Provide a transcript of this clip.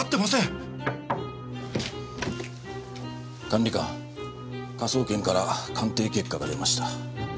管理官科捜研から鑑定結果が出ました。